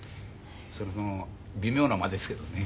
その微妙な間ですけどね。